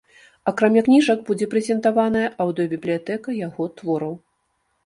Акрамя кніжак, будзе прэзентаваная аўдыёбібліятэка яго твораў.